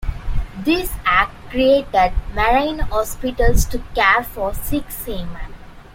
This act created Marine Hospitals to care for sick seamen.